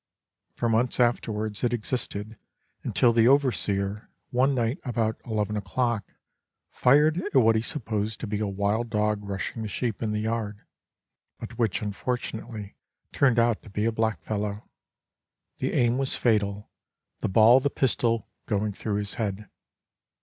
For months afterwards it existed, until the over seer, one night about eleven o'clock, fired at what he supposed to be a wild dog rushing the sheep in the yard, but which unfor tunately turned out to be a blackfellow. The aim was fatal, 2 the ball of the pistol going through his head.